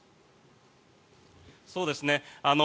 そうですね。